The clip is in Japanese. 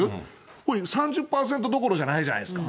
これ、３０％どころじゃないじゃないですか。